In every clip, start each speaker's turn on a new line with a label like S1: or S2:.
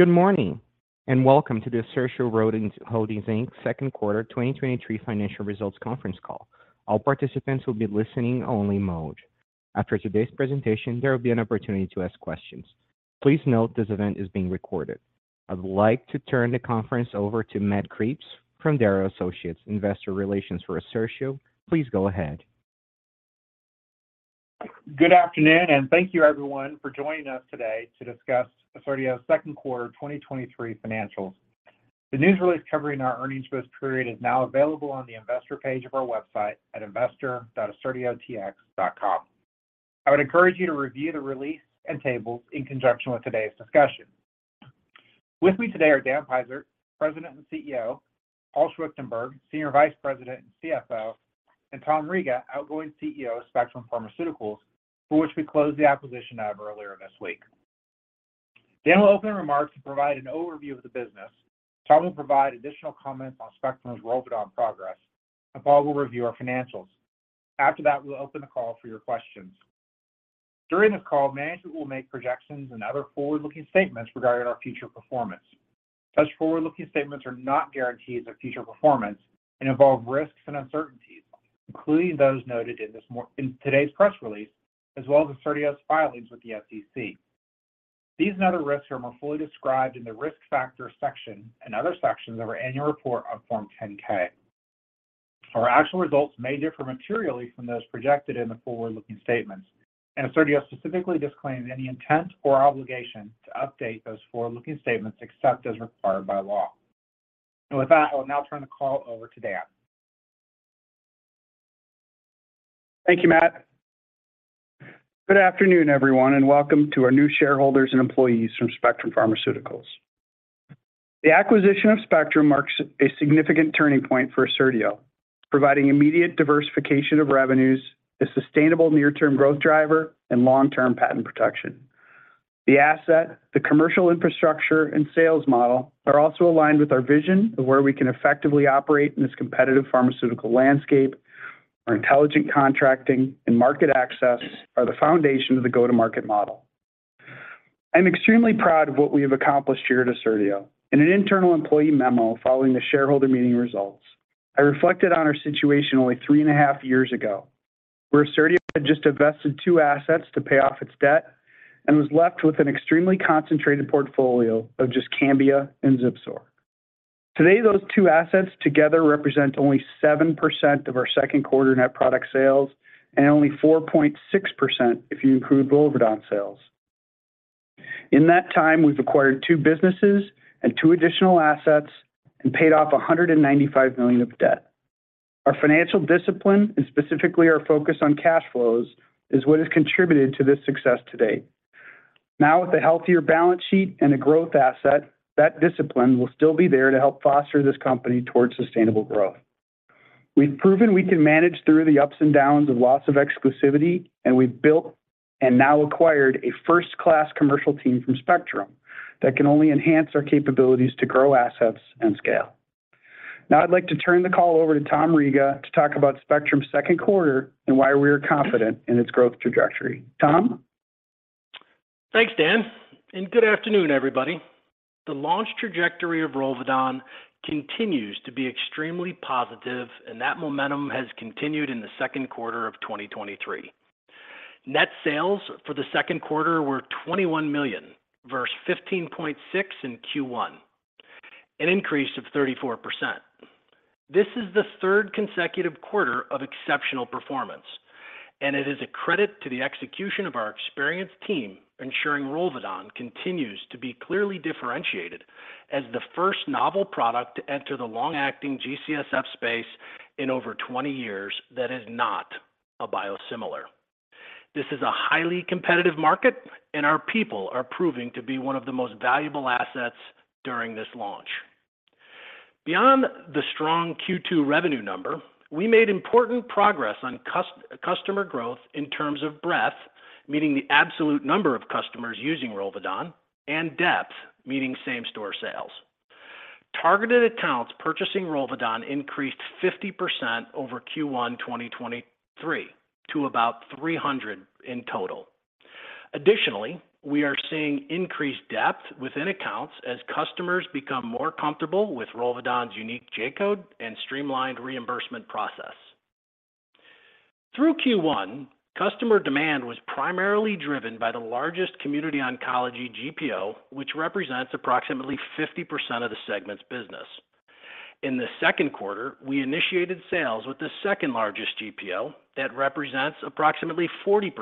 S1: Good morning, welcome to the Assertio Holdings, Inc. Q2 2023 financial results conference call. All participants will be listening-only mode. After today's presentation, there will be an opportunity to ask questions. Please note this event is being recorded. I'd like to turn the conference over to Matt Cripps from Darrow Associates, Investor Relations for Assertio. Please go ahead.
S2: Good afternoon, thank you everyone for joining us today to discuss Assertio's Q2 2023 financials. The news release covering our earnings for this period is now available on the investor page of our website at investor.assertiotx.com. I would encourage you to review the release and tables in conjunction with today's discussion. With me today are Dan Pisano, President and CEO, Paul Schwichtenberg, Senior Vice President and CFO, and Tom Riga, outgoing CEO of Spectrum Pharmaceuticals, for which we closed the acquisition of earlier this week. Dan will open remarks and provide an overview of the business. Tom will provide additional comments on Spectrum's Rolvedon progress, and Paul will review our financials. After that, we'll open the call for your questions. During this call, management will make projections and other forward-looking statements regarding our future performance. Such forward-looking statements are not guarantees of future performance and involve risks and uncertainties, including those noted in today's press release, as well as Assertio's filings with the SEC. These and other risks are more fully described in the Risk Factors section and other sections of our Annual Report on Form 10-K. Our actual results may differ materially from those projected in the forward-looking statements, and Assertio specifically disclaims any intent or obligation to update those forward-looking statements except as required by law. With that, I will now turn the call over to Dan.
S3: Thank you, Matt. Good afternoon, everyone, and welcome to our new shareholders and employees from Spectrum Pharmaceuticals. The acquisition of Spectrum marks a significant turning point for Assertio, providing immediate diversification of revenues, a sustainable near-term growth driver, and long-term patent protection. The asset, the commercial infrastructure, and sales model are also aligned with our vision of where we can effectively operate in this competitive pharmaceutical landscape. Our intelligent contracting and market access are the foundation of the go-to-market model. I'm extremely proud of what we have accomplished here at Assertio. In an internal employee memo following the shareholder meeting results, I reflected on our situation only three and a half years ago, where Assertio had just divested two assets to pay off its debt and was left with an extremely concentrated portfolio of just Cambia and Zipsor. Today, those two assets together represent only 7% of our Q2 net product sales and only 4.6% if you include Rolvedon sales. In that time, we've acquired two businesses and two additional assets and paid off $195 million of debt. Our financial discipline, and specifically our focus on cash flows, is what has contributed to this success to date. Now, with a healthier balance sheet and a growth asset, that discipline will still be there to help foster this company towards sustainable growth. We've proven we can manage through the ups and downs of loss of exclusivity, and we've built and now acquired a first-class commercial team from Spectrum that can only enhance our capabilities to grow assets and scale. Now, I'd like to turn the call over to Tom Riga to talk about Spectrum's Q2 and why we are confident in its growth trajectory. Tom?
S4: Thanks, Dan, and good afternoon, everybody. The launch trajectory of Rolvedon continues to be extremely positive, and that momentum has continued in the Q2 of 2023. Net sales for the Q2 were $21 million, versus $15.6 in Q1, an increase of 34%. This is the third consecutive quarter of exceptional performance, and it is a credit to the execution of our experienced team, ensuring Rolvedon continues to be clearly differentiated as the first novel product to enter the long-acting G-CSF space in over 20 years that is not a biosimilar. This is a highly competitive market, and our people are proving to be one of the most valuable assets during this launch. Beyond the strong Q2 revenue number, we made important progress on customer growth in terms of breadth, meaning the absolute number of customers using Rolvedon, and depth, meaning same-store sales. Targeted accounts purchasing Rolvedon increased 50% over Q1 2023 to about 300 in total. Additionally, we are seeing increased depth within accounts as customers become more comfortable with Rolvedon's unique J-code and streamlined reimbursement process. Through Q1, customer demand was primarily driven by the largest community oncology GPO, which represents approximately 50% of the segment's business. In the Q2, we initiated sales with the second-largest GPO that represents approximately 40%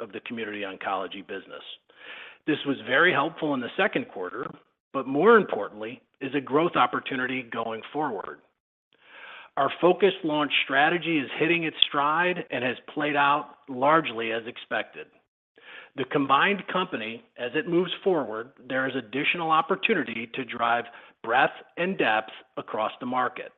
S4: of the community oncology business. This was very helpful in the Q2, but more importantly, is a growth opportunity going forward. Our focused launch strategy is hitting its stride and has played out largely as expected. The combined company, as it moves forward, there is additional opportunity to drive breadth and depth across the market.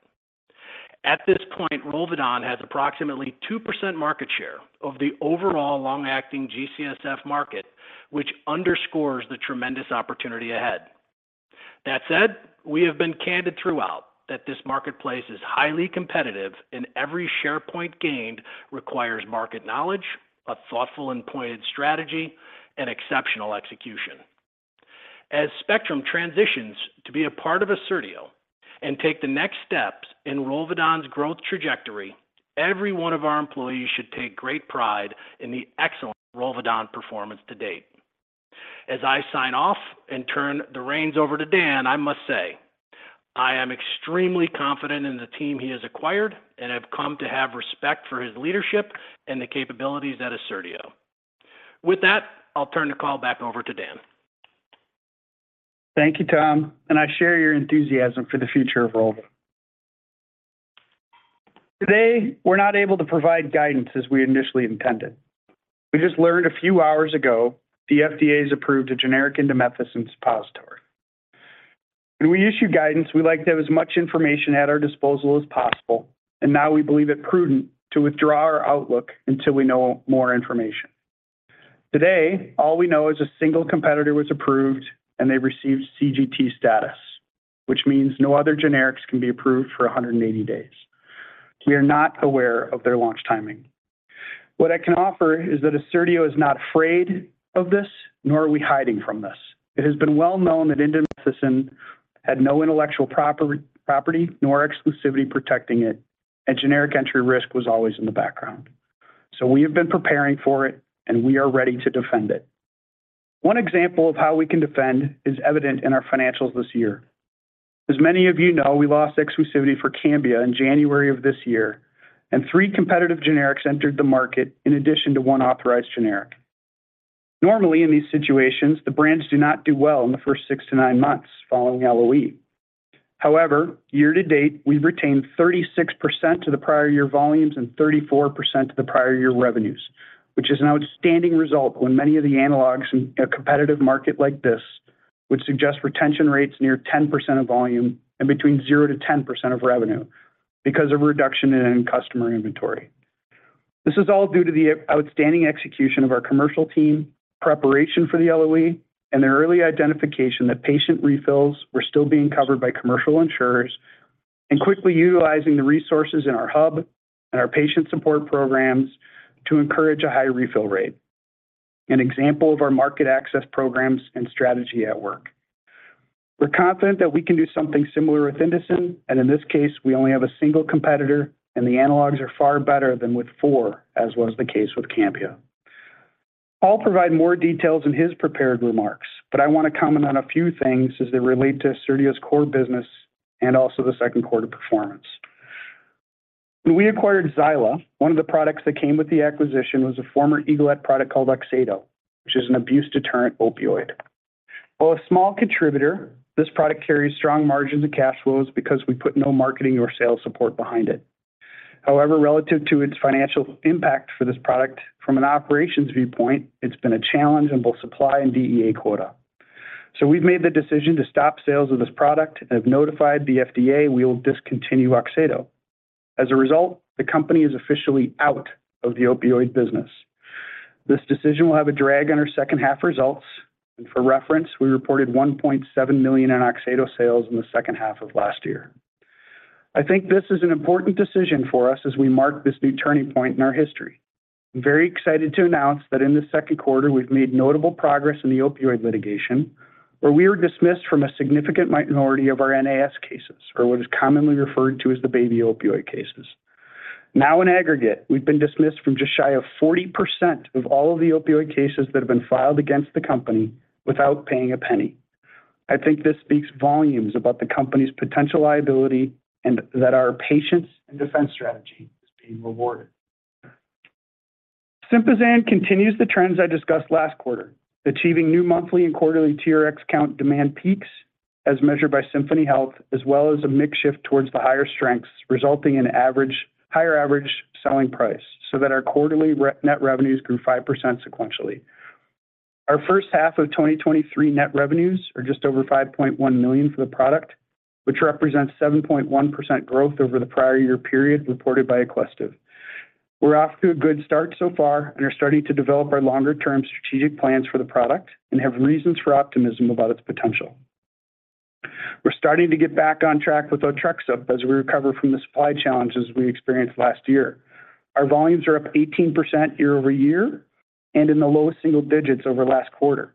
S4: At this point, Rolvedon has approximately 2% market share of the overall long-acting G-CSF market, which underscores the tremendous opportunity ahead. That said, we have been candid throughout that this marketplace is highly competitive, and every share point gained requires market knowledge, a thoughtful and pointed strategy, and exceptional execution. As Spectrum transitions to be a part of Assertio and take the next steps in Rolvedon's growth trajectory, every one of our employees should take great pride in the excellent Rolvedon performance to date. As I sign off and turn the reins over to Dan, I must say, I am extremely confident in the team he has acquired, and have come to have respect for his leadership and the capabilities at Assertio. With that, I'll turn the call back over to Dan.
S3: Thank you, Tom. I share your enthusiasm for the future of Rolvedon. Today, we're not able to provide guidance as we initially intended. We just learned a few hours ago, the FDA has approved a generic indomethacin suppository. When we issue guidance, we like to have as much information at our disposal as possible. Now we believe it prudent to withdraw our outlook until we know more information. Today, all we know is a single competitor was approved and they received CGT status, which means no other generics can be approved for 180 days. We are not aware of their launch timing. What I can offer is that Assertio is not afraid of this, nor are we hiding from this. It has been well known that indomethacin had no intellectual property nor exclusivity protecting it. Generic entry risk was always in the background. We have been preparing for it and we are ready to defend it. One example of how we can defend is evident in our financials this year. As many of you know, we lost exclusivity for Cambia in January of this year, and 3 competitive generics entered the market in addition to 1 authorized generic. Normally, in these situations, the brands do not do well in the first 6-9 months following LOE. However, year to date, we've retained 36% of the prior year volumes and 34% of the prior year revenues, which is an outstanding result when many of the analogs in a competitive market like this would suggest retention rates near 10% of volume and between 0%-10% of revenue because of a reduction in customer inventory. This is all due to the outstanding execution of our commercial team, preparation for the LOE, and the early identification that patient refills were still being covered by commercial insurers, and quickly utilizing the resources in our hub and our patient support programs to encourage a high refill rate. An example of our market access programs and strategy at work. We're confident that we can do something similar with INDOCIN, and in this case, we only have a single competitor, and the analogs are far better than with four, as was the case with Cambia. Paul will provide more details in his prepared remarks. I want to comment on a few things as they relate to Assertio's core business and also the Q2 performance. When we acquired Zyla, one of the products that came with the acquisition was a former Egalet product called Oxaydo, which is an abuse-deterrent opioid. While a small contributor, this product carries strong margins and cash flows because we put no marketing or sales support behind it. Relative to its financial impact for this product from an operations viewpoint, it's been a challenge in both supply and DEA quota. We've made the decision to stop sales of this product and have notified the FDA we will discontinue Oxaydo. As a result, the company is officially out of the opioid business. This decision will have a drag on our second half results, and for reference, we reported $1.7 million in Oxaydo sales in the second half of last year. I think this is an important decision for us as we mark this new turning point in our history. I'm very excited to announce that in the Q2, we've made notable progress in the opioid litigation, where we were dismissed from a significant minority of our NAS cases, or what is commonly referred to as the baby opioid cases. Now, in aggregate, we've been dismissed from just shy of 40% of all of the opioid cases that have been filed against the company without paying a penny. I think this speaks volumes about the company's potential liability and that our patience and defense strategy is being rewarded. Sympazan continues the trends I discussed last quarter, achieving new monthly and quarterly TRx count demand peaks as measured by Symphony Health, as well as a mix shift towards the higher strengths, resulting in higher average selling price. Our quarterly net revenues grew 5% sequentially. Our first half of 2023 net revenues are just over $5.1 million for the product, which represents 7.1% growth over the prior year period reported by Aquestive. We're off to a good start so far and are starting to develop our longer-term strategic plans for the product and have reasons for optimism about its potential. We're starting to get back on track with Otrexup as we recover from the supply challenges we experienced last year. Our volumes are up 18% year-over-year and in the lowest single digits over last quarter.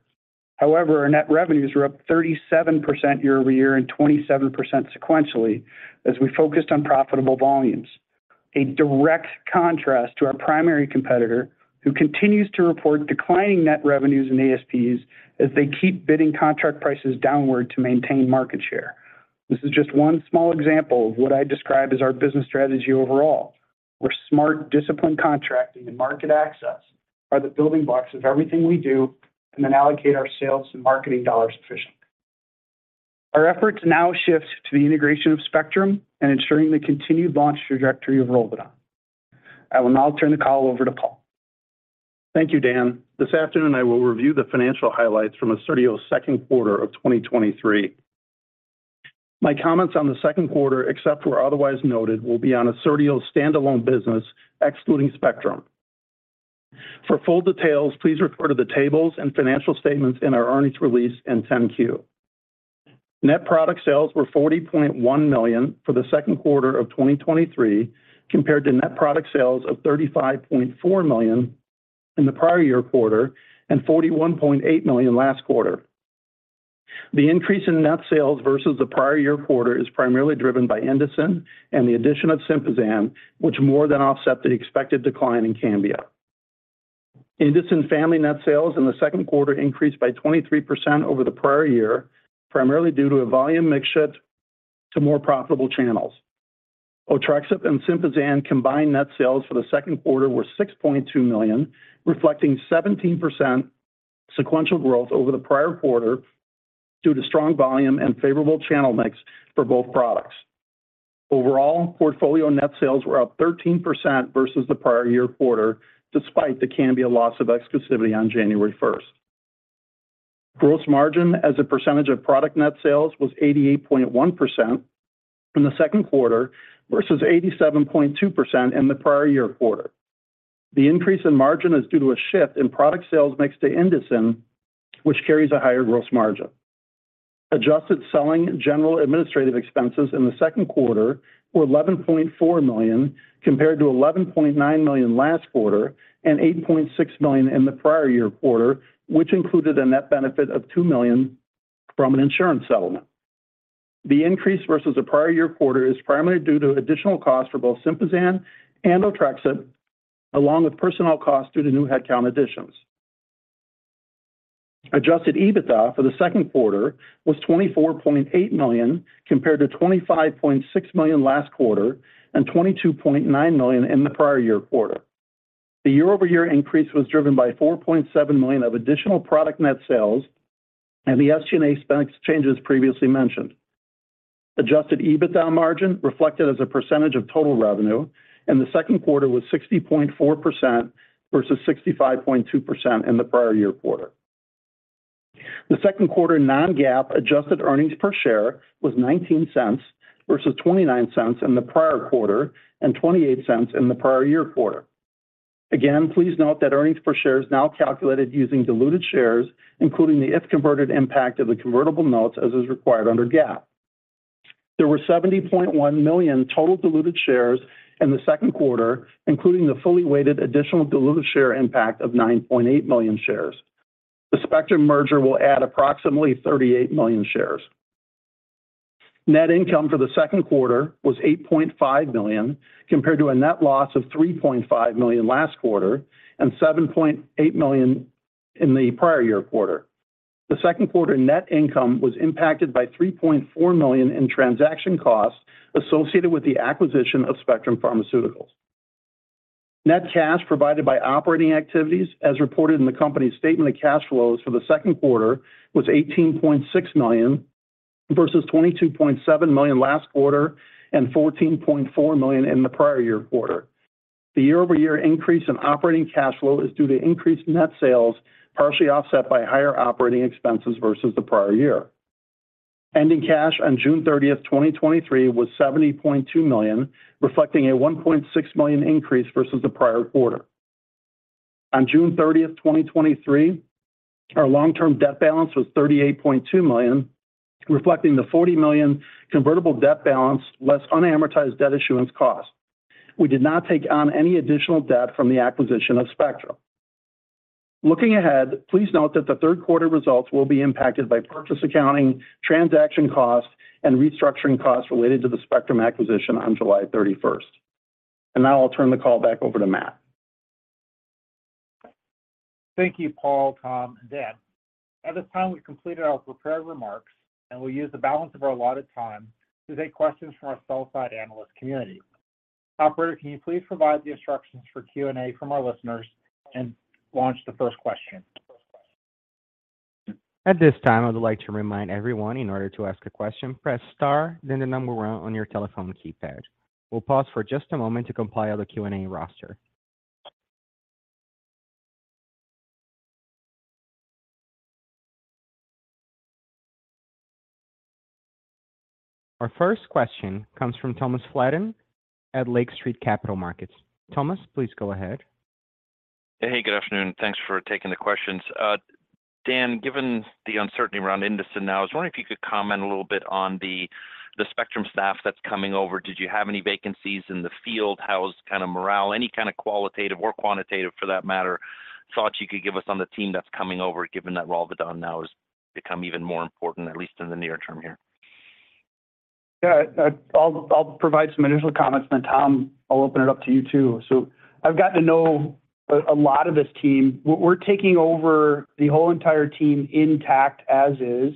S3: Our net revenues are up 37% year-over-year and 27% sequentially as we focused on profitable volumes. A direct contrast to our primary competitor, who continues to report declining net revenues and ASPs as they keep bidding contract prices downward to maintain market share. This is just one small example of what I describe as our business strategy overall, where smart, disciplined contracting and market access are the building blocks of everything we do and then allocate our sales and marketing dollars efficiently. Our efforts now shift to the integration of Spectrum and ensuring the continued launch trajectory of Rolvedon. I will now turn the call over to Paul.
S5: Thank you, Dan. This afternoon, I will review the financial highlights from Assertio's Q2 of 2023. My comments on the Q2, except where otherwise noted, will be on Assertio's standalone business, excluding Spectrum. For full details, please refer to the tables and financial statements in our earnings release and 10-Q. Net product sales were $40.1 million for the Q2 of 2023, compared to net product sales of $35.4 million in the prior year quarter and $41.8 million last quarter. The increase in net sales versus the prior year quarter is primarily driven by INDOCIN and the addition of Sympazan, which more than offset the expected decline in Cambia. INDOCIN family net sales in the Q2 increased by 23% over the prior year, primarily due to a volume mix shift to more profitable channels. Otrexup and Sympazan combined net sales for the Q2 were $6.2 million, reflecting 17% sequential growth over the prior quarter due to strong volume and favorable channel mix for both products. Overall, portfolio net sales were up 13% versus the prior year quarter, despite the Cambia loss of exclusivity on January 1. Gross margin as a percentage of product net sales was 88.1% in the Q2 versus 87.2% in the prior year quarter. The increase in margin is due to a shift in product sales mix to INDOCIN, which carries a higher gross margin. Adjusted selling general administrative expenses in the Q2 were $11.4 million, compared to $11.9 million last quarter, and $8.6 million in the prior year quarter, which included a net benefit of $2 million from an insurance settlement. The increase versus the prior year quarter is primarily due to additional costs for both Sympazan and Otrexup, along with personnel costs due to new headcount additions. Adjusted EBITDA for the Q2 was $24.8 million, compared to $25.6 million last quarter and $22.9 million in the prior year quarter. The year-over-year increase was driven by $4.7 million of additional product Net sales and the SG&A spend exchanges previously mentioned. Adjusted EBITDA margin, reflected as a percentage of total revenue, and the Q2 was 60.4% versus 65.2% in the prior year quarter. The Q2 non-GAAP adjusted earnings per share was $0.19 versus $0.29 in the prior quarter and $0.28 in the prior year quarter. Again, please note that earnings per share is now calculated using diluted shares, including the if converted impact of the convertible notes, as is required under GAAP. There were 70.1 million total diluted shares in the Q2, including the fully weighted additional diluted share impact of 9.8 million shares. The Spectrum merger will add approximately 38 million shares. Net income for the Q2 was $8.5 million, compared to a net loss of $3.5 million last quarter and $7.8 million in the prior year quarter. The Q2 net income was impacted by $3.4 million in transaction costs associated with the acquisition of Spectrum Pharmaceuticals. Net cash provided by operating activities as reported in the company's statement of cash flows for the Q2, was $18.6 million versus $22.7 million last quarter and $14.4 million in the prior year quarter. The year-over-year increase in operating cash flow is due to increased net sales, partially offset by higher operating expenses versus the prior year. Ending cash on June 30, 2023, was $70.2 million, reflecting a $1.6 million increase versus the prior quarter. On June 30, 2023, our long-term debt balance was $38.2 million, reflecting the $40 million convertible debt balance, less unamortized debt issuance cost. We did not take on any additional debt from the acquisition of Spectrum. Looking ahead, please note that the Q3 results will be impacted by purchase accounting, transaction costs, and restructuring costs related to the Spectrum acquisition on July thirty-first. Now I'll turn the call back over to Matt.
S2: Thank you, Paul, Tom, and Dan. At this time, we've completed our prepared remarks and we'll use the balance of our allotted time to take questions from our sell-side analyst community. Operator, can you please provide the instructions for Q&A from our listeners and launch the first question?
S1: At this time, I would like to remind everyone in order to ask a question, press star, then the number on your telephone keypad. We'll pause for just a moment to compile the Q&A roster. Our first question comes from Thomas Flaten at Lake Street Capital Markets. Thomas, please go ahead.
S6: Hey, good afternoon. Thanks for taking the questions. Dan, given the uncertainty around INDOCIN now, I was wondering if you could comment a little bit on the, the Spectrum staff that's coming over. Did you have any vacancies in the field? How's kind of morale, any kind of qualitative or quantitative, for that matter, thoughts you could give us on the team that's coming over, given that Rolvedon now has become even more important, at least in the near term here?
S3: Yeah, I'll, I'll provide some initial comments, then Tom, I'll open it up to you too. I've gotten to know a lot of this team. We're, we're taking over the whole entire team intact as is.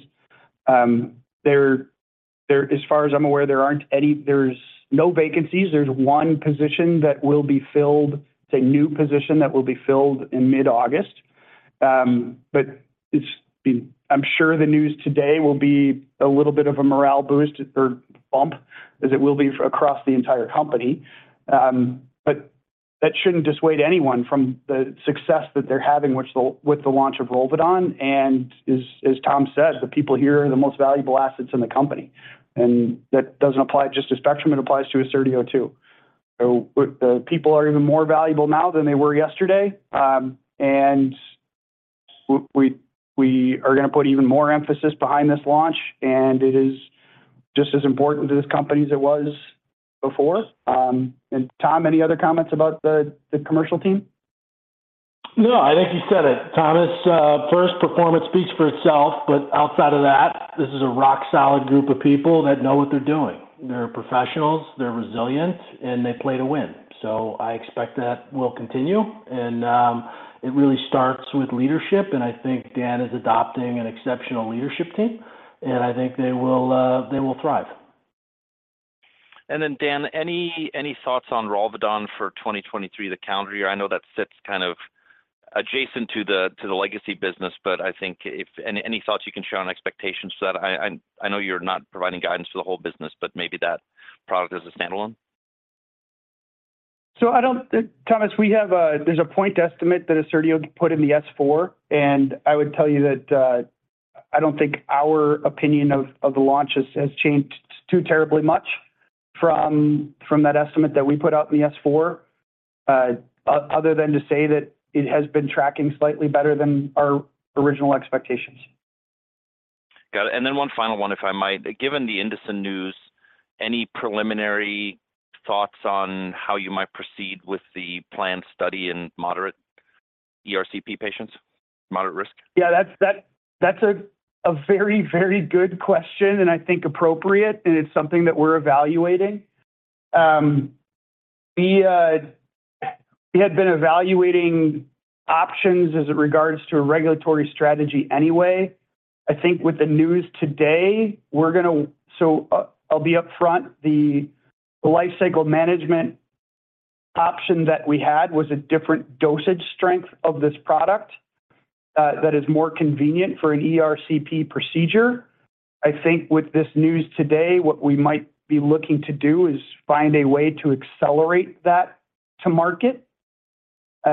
S3: There, as far as I'm aware, there aren't any. There's no vacancies. There's one position that will be filled, it's a new position that will be filled in mid-August. It's, I'm sure the news today will be a little bit of a morale boost or bump as it will be across the entire company. That shouldn't dissuade anyone from the success that they're having, with the launch of Rolvedon. As, as Tom said, the people here are the most valuable assets in the company, and that doesn't apply just to Spectrum, it applies to Assertio too. The people are even more valuable now than they were yesterday. We are going to put even more emphasis behind this launch, and it is just as important to this company as it was before. Tom, any other comments about the commercial team?
S4: No, I think you said it, Thomas. First, performance speaks for itself, but outside of that, this is a rock-solid group of people that know what they're doing. They're professionals, they're resilient, and they play to win. I expect that will continue. It really starts with leadership, and I think Dan is adopting an exceptional leadership team, and I think they will thrive.
S6: Then, Dan, any, any thoughts on Rolvedon for 2023, the calendar year? I know that sits kind of adjacent to the, to the legacy business, but I think if any, any thoughts you can share on expectations for that? I, I, I know you're not providing guidance for the whole business, but maybe that product as a standalone.
S3: I don't- Thomas, we have a, there's a point estimate that Assertio put in the S4, and I would tell you that, I don't think our opinion of, of the launch has, has changed too terribly much from that estimate that we put out in the S4. Other than to say that it has been tracking slightly better than our original expectations.
S6: Got it. Then one final one, if I might. Given the INDOCIN news, any preliminary thoughts on how you might proceed with the planned study in moderate ERCP patients, moderate risk?
S3: Yeah, that's a very, very good question, and I think appropriate, and it's something that we're evaluating. We had been evaluating options as it regards to a regulatory strategy anyway. I think with the news today, I'll be upfront, the lifecycle management option that we had was a different dosage strength of this product that is more convenient for an ERCP procedure. I think with this news today, what we might be looking to do is find a way to accelerate that to market. There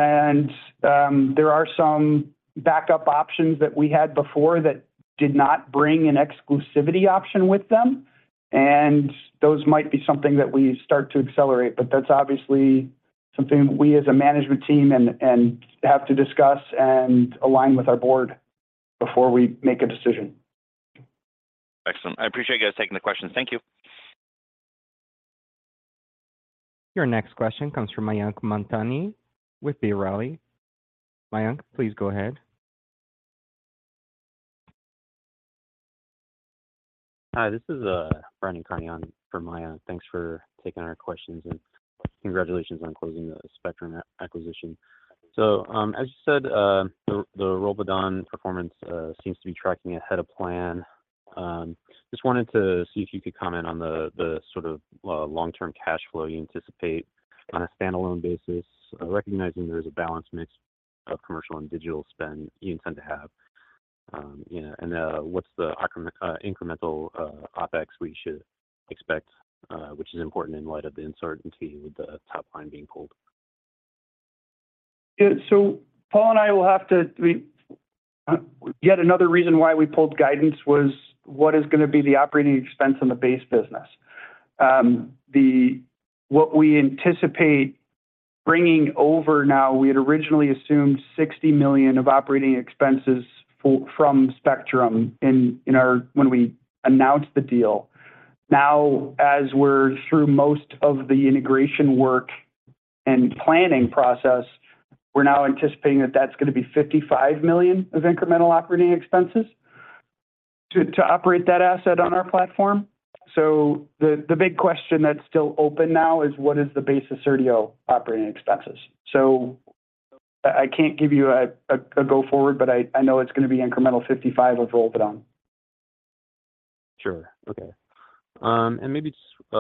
S3: are some backup options that we had before that did not bring an exclusivity option with them, and those might be something that we start to accelerate. That's obviously something we as a management team have to discuss and align with our board before we make a decision.
S6: Excellent. I appreciate you guys taking the questions. Thank you.
S1: Your next question comes from Mayank Mantani with B. Riley. Mayank, please go ahead.
S7: Hi, this is Brandon Carney on for Mayank. Thanks for taking our questions, and congratulations on closing the Spectrum acquisition. As you said, the Rolvedon performance seems to be tracking ahead of plan. Just wanted to see if you could comment on the sort of long-term cash flow you anticipate on a standalone basis, recognizing there is a balanced mix of commercial and digital spend you intend to have. You know, what's the incremental OpEx we should expect, which is important in light of the uncertainty with the top line being pulled?
S3: Yeah, Paul and I will have to, we-- yet another reason why we pulled guidance was what is gonna be the operating expense on the base business. The-- What we anticipate bringing over now, we had originally assumed $60 million of operating expenses for, from Spectrum in, in our... when we announced the deal. Now, as we're through most of the integration work and planning process, we're now anticipating that that's gonna be $55 million of incremental operating expenses to, to operate that asset on our platform. The, the big question that's still open now is what is the base of Assertio operating expenses? I, I can't give you a, a, a go-forward, but I, I know it's gonna be incremental $55 million of Rolvedon.
S7: Sure. Okay. Maybe just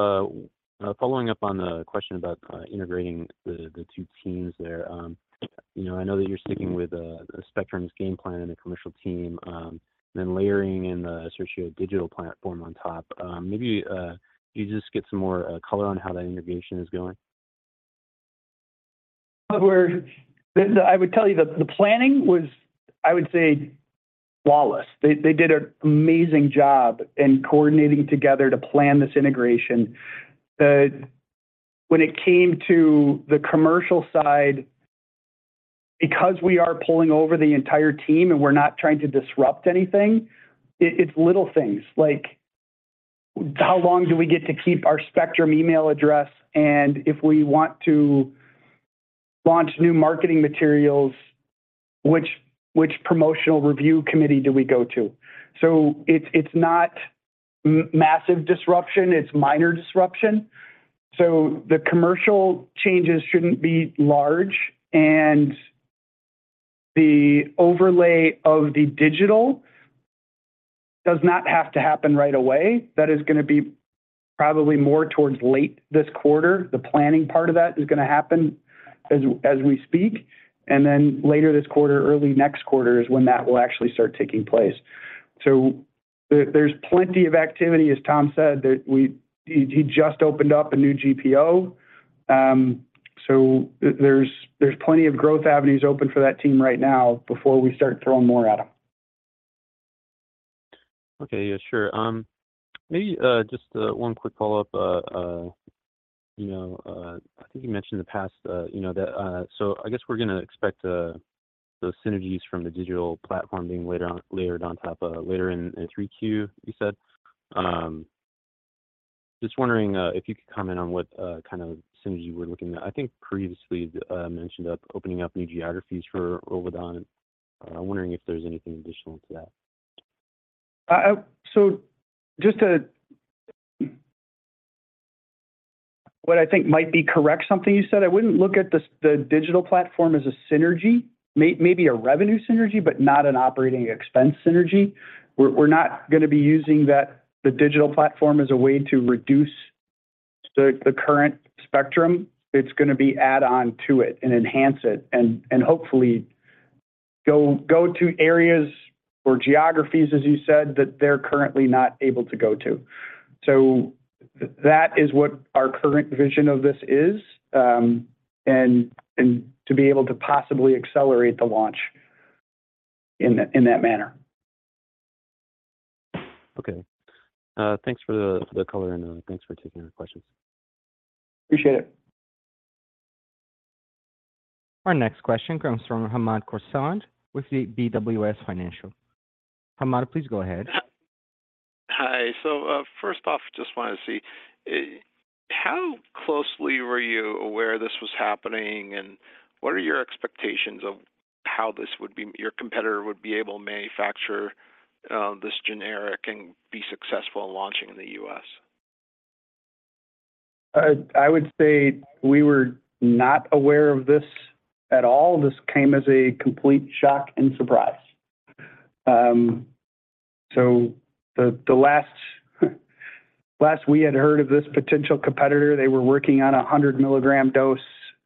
S7: following up on the question about integrating the two teams there. You know, I know that you're sticking with the Spectrum's game plan and the commercial team, then layering in the Assertio digital platform on top. Maybe you just get some more color on how that integration is going?
S3: We're I would tell you that the planning was, I would say, flawless. They, they did an amazing job in coordinating together to plan this integration. The When it came to the commercial side, because we are pulling over the entire team and we're not trying to disrupt anything, it, it's little things like: how long do we get to keep our Spectrum email address? If we want to launch new marketing materials, which, which promotional review committee do we go to? It's, it's not massive disruption, it's minor disruption. The commercial changes shouldn't be large, and the overlay of the digital does not have to happen right away. That is gonna be probably more towards late this quarter. The planning part of that is gonna happen as, as we speak, and then later this quarter, early next quarter is when that will actually start taking place. There, there's plenty of activity, as Tom said, that he, he just opened up a new GPO. There's, there's plenty of growth avenues open for that team right now before we start throwing more at them.
S7: Okay. Yeah, sure. Maybe just one quick follow-up. You know, I think you mentioned in the past, you know, that, I guess we're gonna expect those synergies from the digital platform being layered on top of, later in, in 3 Q, you said. Just wondering if you could comment on what kind of synergy we're looking at. I think previously mentioned opening up new geographies for Rolvedon. I'm wondering if there's anything additional to that.
S3: Just to... What I think might be correct, something you said, I wouldn't look at the digital platform as a synergy. Maybe a revenue synergy, but not an operating expense synergy. We're, we're not gonna be using that, the digital platform as a way to reduce the, the current Spectrum. It's gonna be add on to it and enhance it and, and hopefully go, go to areas or geographies, as you said, that they're currently not able to go to. That is what our current vision of this is, and, and to be able to possibly accelerate the launch in that, in that manner.
S7: Okay. Thanks for the color and thanks for taking the questions.
S3: Appreciate it.
S1: Our next question comes from Hamed Khorsand with the BWS Financial. Hamed, please go ahead.
S8: Hi. First off, just wanted to see, how closely were you aware this was happening, and what are your expectations of your competitor would be able to manufacture, this generic and be successful in launching in the U.S.?
S3: I would say we were not aware of this at all. This came as a complete shock and surprise. The last we had heard of this potential competitor, they were working on a 100-milligram dose,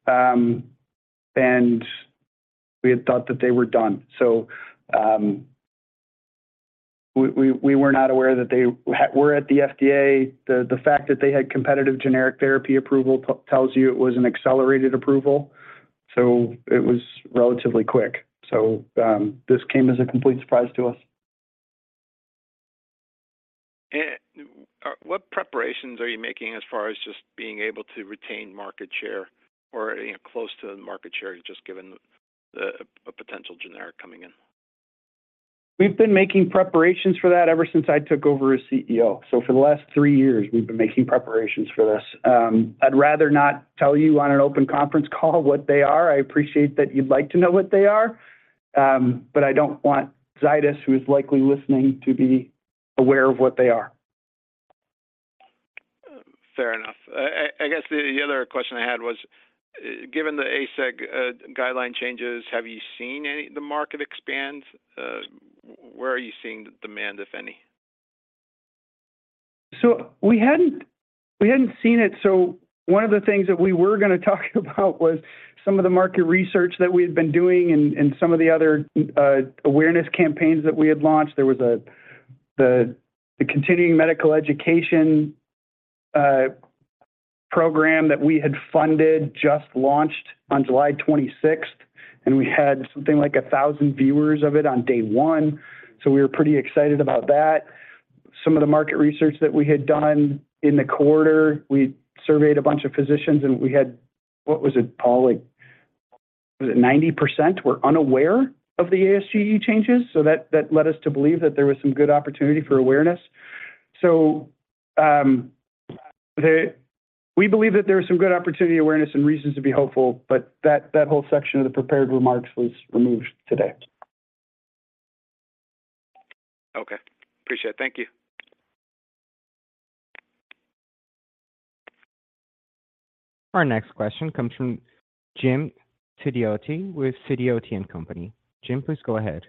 S3: and we had thought that they were done. We were not aware that they were at the FDA. The fact that they had competitive generic therapy approval tells you it was an accelerated approval, so it was relatively quick. This came as a complete surprise to us.
S8: What preparations are you making as far as just being able to retain market share or, you know, close to the market share, just given the, a potential generic coming in?
S3: We've been making preparations for that ever since I took over as CEO. For the last 3 years, we've been making preparations for this. I'd rather not tell you on an open conference call what they are. I appreciate that you'd like to know what they are, but I don't want Zydus, who is likely listening, to be aware of what they are.
S8: Fair enough. I, I guess the other question I had was, given the ASGE guideline changes, have you seen the market expand? Where are you seeing the demand, if any?
S3: We hadn't, we hadn't seen it, so one of the things that we were gonna talk about was some of the market research that we had been doing and, and some of the other awareness campaigns that we had launched. There was a, the, the continuing medical education program that we had funded just launched on July 26th, and we had something like 1,000 viewers of it on day one, so we were pretty excited about that. Some of the market research that we had done in the quarter, we surveyed a bunch of physicians, and we had... What was it, Paul? Like, was it 90% were unaware of the ASGE changes? That, that led us to believe that there was some good opportunity for awareness. We believe that there is some good opportunity, awareness, and reasons to be hopeful, but that, that whole section of the prepared remarks was removed today.
S8: Okay. Appreciate it. Thank you.
S1: Our next question comes from Jim Sidoti with Sidoti & Company. Jim, please go ahead.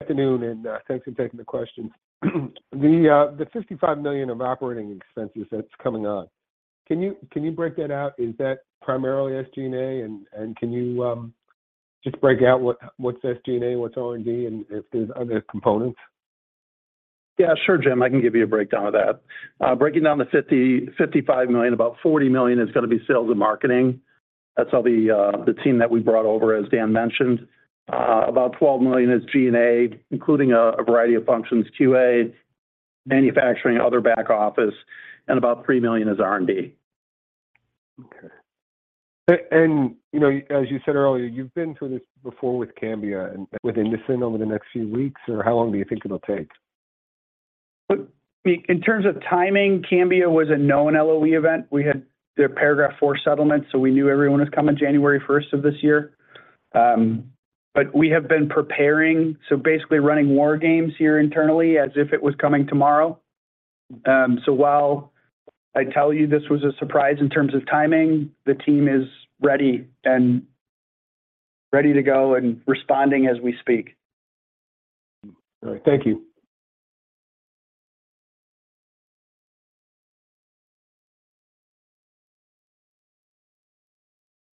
S9: Afternoon. Thanks for taking the question. The $55 million of operating expenses that's coming on, can you break that out? Is that primarily SG&A? Can you just break out what's SG&A, what's R&D, and if there's other components?
S3: Yeah, sure, Jim, I can give you a breakdown of that. Breaking down the $55 million, about $40 million is gonna be sales and marketing. That's all the team that we brought over, as Dan mentioned. About $12 million is G&A, including a variety of functions, QA, manufacturing, other back office, and about $3 million is R&D.
S9: Okay. You know, as you said earlier, you've been through this before with Cambia within the next few weeks, or how long do you think it'll take?
S3: Look, in terms of timing, Cambia was a known LOE event. We had their Paragraph Four settlement. We knew everyone was coming January first of this year. We have been preparing, so basically running war games here internally as if it was coming tomorrow. While I tell you this was a surprise in terms of timing, the team is ready and ready to go and responding as we speak.
S9: Thank you.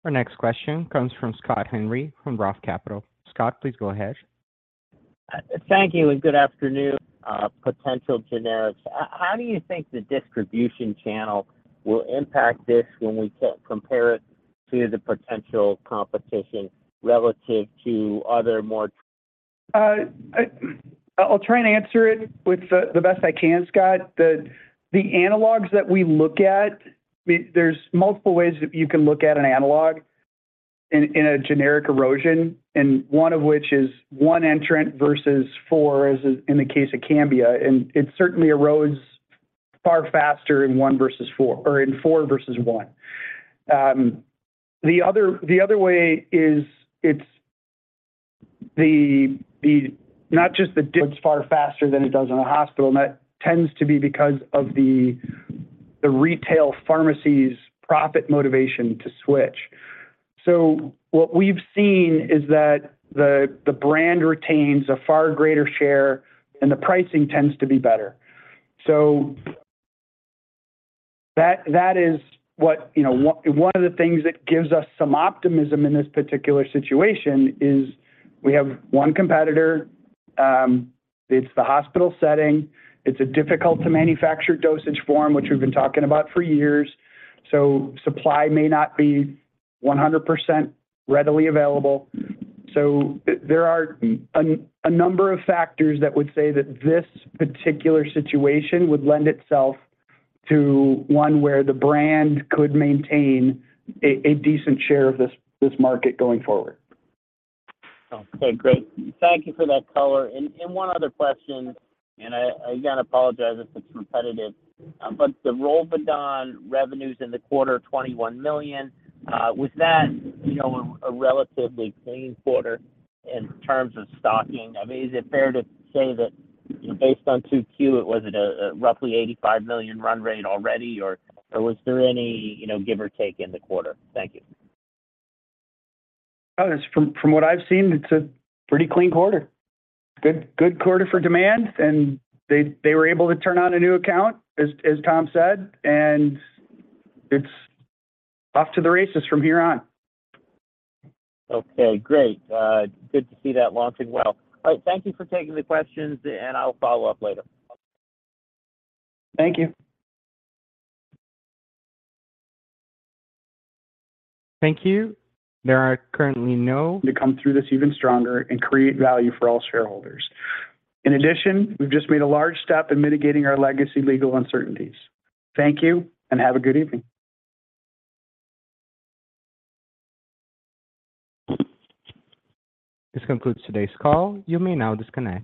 S1: Our next question comes from Scott Henry, from Roth Capital. Scott, please go ahead.
S10: Thank you. Good afternoon, potential generics. How do you think the distribution channel will impact this when we compare it to see the potential competition relative to other more.
S3: I, I'll try and answer it with the best I can, Scott. The analogs that we look at, I mean, there's multiple ways that you can look at an analog in a generic erosion, one of which is one entrant versus four, as in the case of Cambia. It certainly erodes far faster in one versus four, or in four versus one. The other way is it's not just it's far faster than it does in a hospital, and that tends to be because of the retail pharmacy's profit motivation to switch. What we've seen is that the brand retains a far greater share, and the pricing tends to be better. That, that is what, you know, one, one of the things that gives us some optimism in this particular situation is we have one competitor, it's the hospital setting. It's a difficult to manufacture dosage form, which we've been talking about for years, so supply may not be 100% readily available. There are a, a number of factors that would say that this particular situation would lend itself to one where the brand could maintain a, a decent share of this, this market going forward.
S10: Okay, great. Thank you for that color. One other question, and I, I again apologize if it's repetitive. The Rolvedon revenues in the quarter, $21 million, was that, you know, a, a relatively clean quarter in terms of stocking? I mean, is it fair to say that, you know, based on two Q, was it a, a roughly $85 million run rate already, or, or was there any, you know, give or take in the quarter? Thank you.
S3: From what I've seen, it's a pretty clean quarter. Good quarter for demand. They were able to turn on a new account, as Tom said. It's off to the races from here on.
S10: Okay, great. good to see that launching well. All right, thank you for taking the questions. I'll follow up later.
S3: Thank you.
S1: Thank you. There are currently no-
S3: To come through this even stronger and create value for all shareholders. In addition, we've just made a large step in mitigating our legacy legal uncertainties. Thank you, and have a good evening.
S1: This concludes today's call. You may now disconnect.